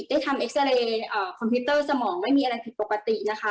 ได้ทำเอ็กซาเรย์คอมพิวเตอร์สมองไม่มีอะไรผิดปกตินะคะ